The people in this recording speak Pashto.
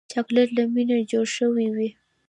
چاکلېټ له مینې جوړ شوی وي.